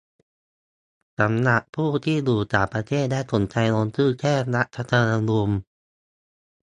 สำหรับผู้ที่อยู่ต่างประเทศ และสนใจร่วมลงชื่อแก้รัฐธรรมนูญ